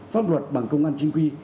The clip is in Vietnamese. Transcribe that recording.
pháp luật bằng công an chinh quy